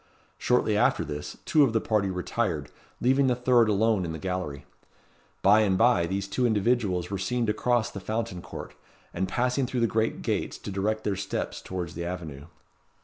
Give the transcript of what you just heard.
Shortly after this, two of the party retired, leaving the third alone in the gallery. By and by these two individuals were seen to cross the Fountain Court, and passing through the great gates, to direct their steps towards the avenue.